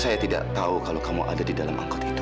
saya tidak tahu kalau kamu ada di dalam angkot itu